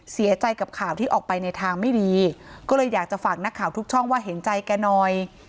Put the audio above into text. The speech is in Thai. เสียใจกับข่าวที่ออกไปในทางไม่ดีก็เลยอยากจะฝากนักข่าวทุกช่องว่าเห็นใจแกหน่อย